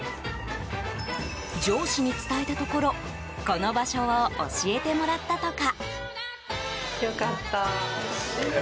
上司に伝えたところこの場所を教えてもらったとか。